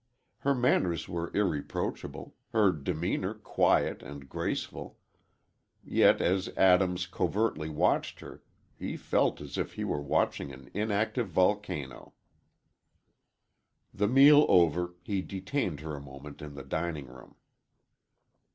Her manners were irreproachable, her demeanor quiet and graceful, yet as Adams covertly watched her, he felt as if he were watching an inactive volcano. The meal over, he detained her a moment in the dining room.